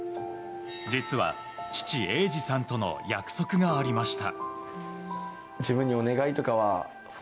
実は、父・栄司さんとの約束がありました。